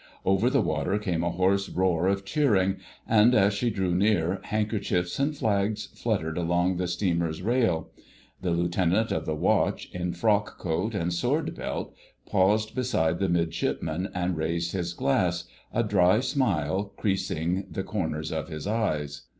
Over the water came a hoarse roar of cheering, and, as she drew near, handkerchiefs and flags fluttered along the steamer's rail. The Lieutenant of the Watch, in frock coat and sword belt, paused beside the Midshipman and raised his glass, a dry smile creasing the corners of his eyes.